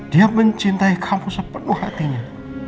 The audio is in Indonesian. dia mencintai kamu sepenuh hatinya